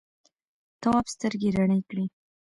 تواب سترګې رڼې کړې.